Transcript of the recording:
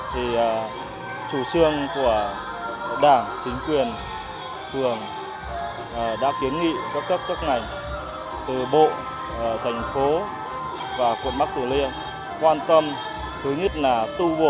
thì chủ trương của đảng chính quyền phường đã kiến nghị các cấp các ngành từ bộ thành phố và quận bắc tử liêm quan tâm thứ nhất là tu bổ